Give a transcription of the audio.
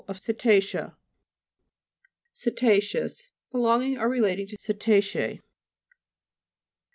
of ceta'cea. CETA'CEOUS Relating or belonging to ceta'cea.